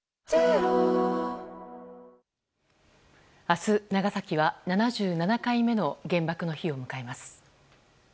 明日、長崎は７７回目の原爆の日を迎えます。